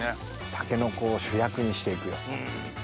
タケノコを主役にしていく。